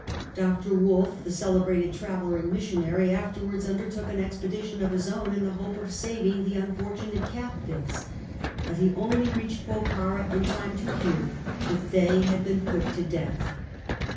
Dr. Wolff, the celebrated traveller and missionary, afterwards under took an expedition of his own in the hope of saving the unfortunate captives ; but he only reached Bokhara in time to hear that they had been put to death.